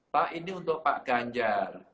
pak ini untuk pak ganjar